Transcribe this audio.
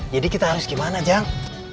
jadi kita harus gimana jang